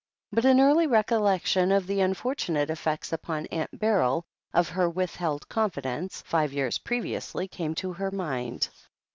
But an early recollection of the unfortunate effects upon Aunt Beryl of her withheld confidence, five years previously, came to her mind.